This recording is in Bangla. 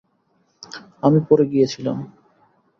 আমি পড়ে গিয়েছিলাম।